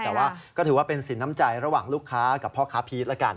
แต่ว่าก็ถือว่าเป็นสินน้ำใจระหว่างลูกค้ากับพ่อค้าพีชแล้วกัน